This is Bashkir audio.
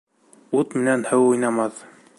Ут менән һыу уйнамаҫ.